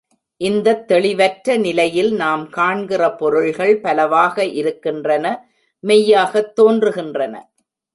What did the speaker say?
இந்தத் தெளிவற்ற நிலையில் நாம் காண்கிற பொருள்கள் பலவாக இருக்கின்றன மெய்யாகத் தோன்றுகின்றன.